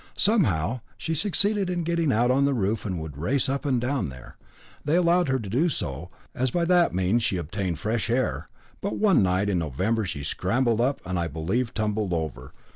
Somehow, she succeeded in getting out on the roof, and would race up and down there. They allowed her to do so, as by that means she obtained fresh air. But one night in November she scrambled up and, I believe, tumbled over.